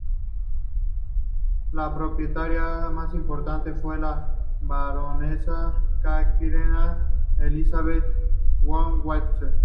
La propietaria más importante fue la baronesa Katharina Elisabeth von Wechsler.